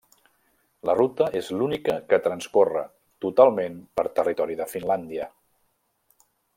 La ruta és l'única que transcorre totalment per territori de Finlàndia.